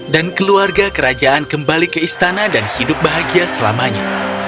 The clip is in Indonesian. dan keluarga kerajaan kembali ke istana dan hidup bahagia selamanya